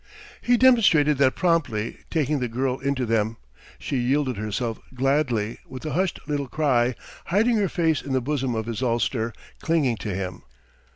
He demonstrated that promptly, taking the girl into them. She yielded herself gladly, with a hushed little cry, hiding her face in the bosom of his ulster, clinging to him.